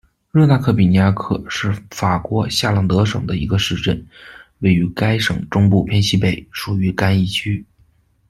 热纳克比尼亚克是法国夏朗德省的一个市镇，位于该省中部偏西北，属于干邑区。